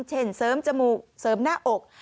เช่นเสริมจมูกเสริมหน้าอก